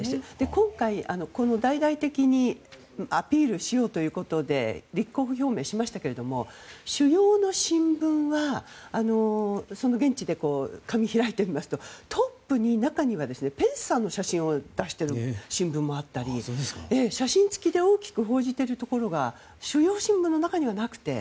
今回、大々的にアピールしようということで立候補の表明をしましたけども主要な新聞は現地で紙を開いてみますとトップにペンスさんの写真を出している新聞もあったり写真付きで大きく報じているところが主要新聞の中にはなくて。